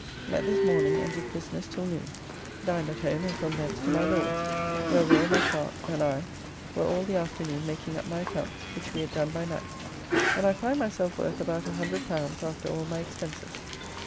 Met this morning and did business till noon. Dined at home and from thence to my Lord's where Will, my clerk, and I were all the afternoon making up my accounts, which we had done by night, and I find myself worth about L100 after all my expenses.